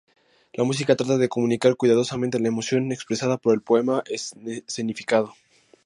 La música trata de comunicar cuidadosamente la emoción expresada por el poema escenificado.